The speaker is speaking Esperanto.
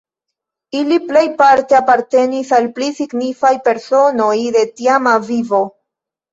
Ili plejparte apartenis al pli signifaj personoj de tiama vivo.